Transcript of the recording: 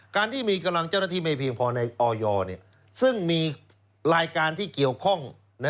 การที่มีกำลังเจ้าหน้าที่ไม่เพียงพอในออยซึ่งมีรายการที่เกี่ยวข้อง